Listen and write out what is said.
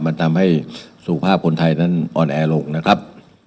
มันทำให้สุขภาพคนไทยนั้นอ่อนแอลงนะครับ